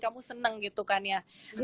kamu seneng gitu kan ya